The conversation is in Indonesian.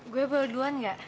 gue bawa duluan gak